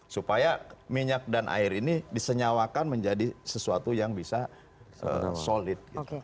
supaya minyak dan air ini disenyawakan menjadi sesuatu yang bisa solid